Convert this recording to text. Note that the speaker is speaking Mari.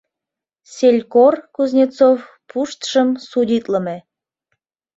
СЕЛЬКОР КУЗНЕЦОВ ПУШТШЫМ СУДИТЛЫМЕ